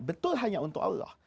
betul hanya untuk allah